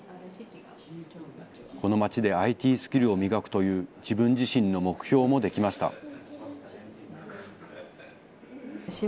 この町でＩＴスキルを磨くという自分自身の目標も出来ました。